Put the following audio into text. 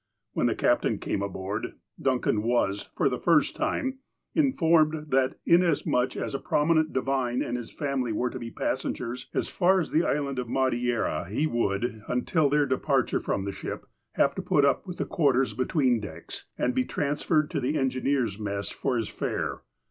When the captain came aboard, Duncan was, for the first time, informed, that inasmuch as a prominent divine and his family were to be passengers as far as the Island of Madeira, he would, until their departure from the ship, have to put up with quarters between decks, and be transferred to the engineer's mess for his fare.